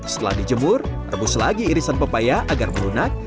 setelah dijemur rebus lagi irisan pepaya agar melunak